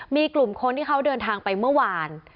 มีกลุ่มคนที่เขาเดินทางไปเมื่อวาน